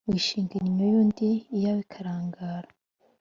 Wishinga innyo y’undi iyawe ikarangara.